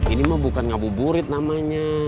ini mah bukan ngabuburit namanya